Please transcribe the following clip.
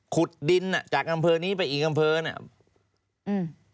ขุดดินจากกำเพอนี้ไปอีกกำเพอนั่น